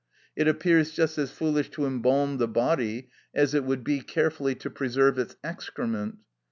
It appears just as foolish to embalm the body as it would be carefully to preserve its excrement.